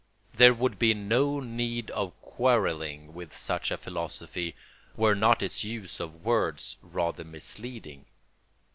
There would be no need of quarrelling with such a philosophy, were not its use of words rather misleading.